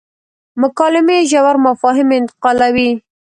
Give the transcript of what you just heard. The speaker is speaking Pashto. مکالمې ژور مفاهیم انتقالوي.